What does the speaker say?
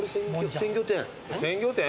鮮魚店？